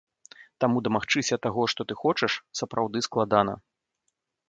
Таму дамагчыся таго, што ты хочаш, сапраўды складана.